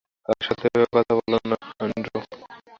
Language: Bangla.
তার সাথে এভাবে কথা বলো না, অ্যান্ড্রু।